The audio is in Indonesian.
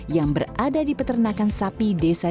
yang berada di peternakan sapi desa